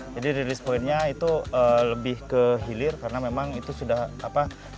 jadi rilis poinnya itu lebih ke hilir karena memang itu sudah targetnya